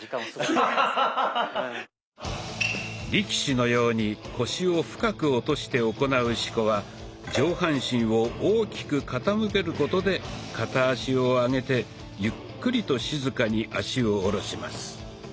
力士のように腰を深く落として行う四股は上半身を大きく傾けることで片足を上げてゆっくりと静かに足を下ろします。